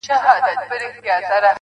که غنمرنگ ، کښته سي پورته سي_